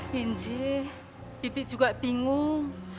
binji bibi juga bingung